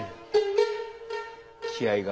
気合いが。